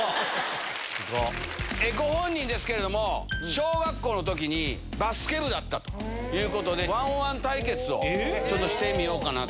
ご本人ですけれども、小学校のときにバスケ部だったということで、１オン１対決をちょっとしてみようかなと。